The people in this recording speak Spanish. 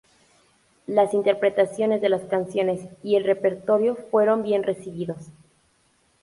Las interpretaciones de las canciones y el repertorio fueron bien recibidos.